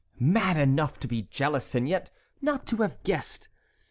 Mad enough to be jealous, and yet not to have guessed!